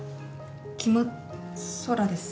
キム・ソラです。